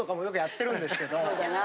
そうだな。